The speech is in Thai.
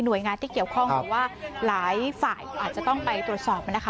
โดยงานที่เกี่ยวข้องหรือว่าหลายฝ่ายอาจจะต้องไปตรวจสอบนะคะ